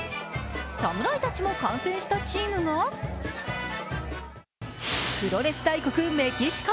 侍たちも観戦したチームが、プロレス大国・メキシコ。